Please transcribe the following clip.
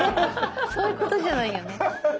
そういうことじゃないよね。